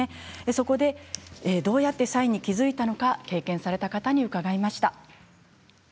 そこで、どうやってサインに気付いたのか経験された方に伺いました。